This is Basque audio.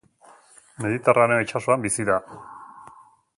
Mediterraneo itsasoan bizi da.